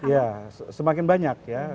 iya semakin banyak